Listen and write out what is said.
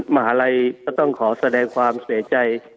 มหาลัยก็ต้องขอแสดงความเสียใจ